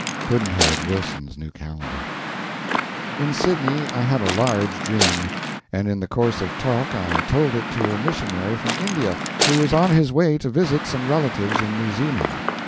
Pudd'nhead Wilson's New Calendar. In Sydney I had a large dream, and in the course of talk I told it to a missionary from India who was on his way to visit some relatives in New Zealand.